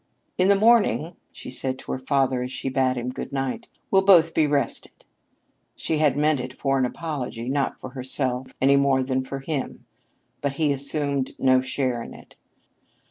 "In the morning," she said to her father as she bade him good night, "we'll both be rested." She had meant it for an apology, not for herself any more than for him, but he assumed no share in it.